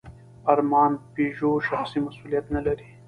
ارمان پيژو شخصي مسوولیت نهلري.